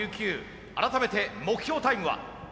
改めて目標タイムは？